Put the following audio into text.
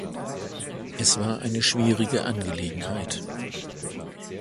Es war eine schwierige Angelegenheit.